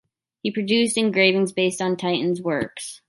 He produced engravings based on Titian's works.